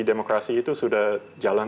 demokrasi itu sudah jalan